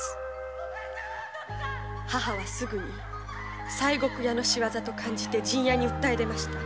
母はすぐ西国屋の仕業だと感じて陣屋に訴え出ました。